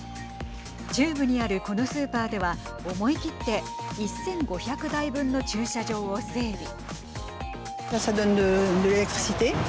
中部にあるこのスーパーでは思い切って１５００台分の駐車場を整備。